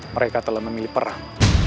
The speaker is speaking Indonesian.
mereka telah memilih perang